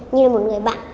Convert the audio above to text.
như là một người bạn